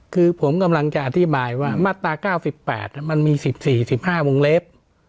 คือผมกำลังจะอธิบายว่ามาตรา๙๘มันมี๑๔๑๕วงเล็บ